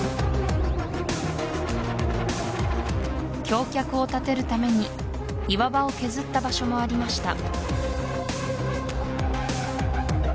橋脚を立てるために岩場を削った場所もありました